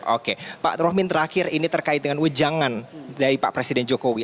oke pak rohmin terakhir ini terkait dengan wejangan dari pak presiden jokowi